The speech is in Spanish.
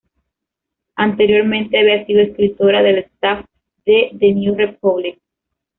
Anteriormente, había sido escritora del staff de "The New Republic".